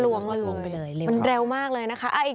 เร็วมากเลยนะคะ